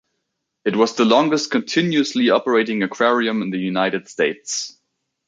It was the longest continuously operating aquarium in the United States.